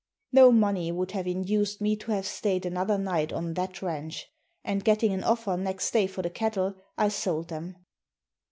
No money would have induced me to have stayed another night on that ranch, and getting an offer next day for the cattle, I sold them.